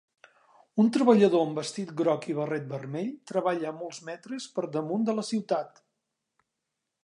Un treballador amb vestit groc i barret vermell treballa a molts metres per damunt de la ciutat.